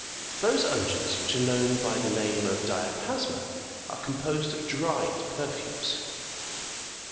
Those unguents which are known by the name of " dia pasma,"81 are composed of dried perfumes.